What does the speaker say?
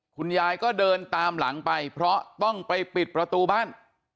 คุณยายก็เดินตามหลังไปเพราะต้องไปปิดประตูบ้าน